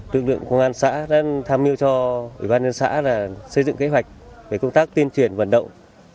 tương đương công an xã đã tham mưu cho ủy ban nhân xã là xây dựng kế hoạch về công tác tiên truyền vận động